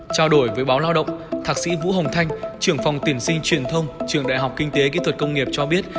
trao đổi với báo lao động thạc sĩ vũ hồng thanh trưởng phòng tuyển sinh truyền thông trường đại học kinh tế kỹ thuật công nghiệp cho biết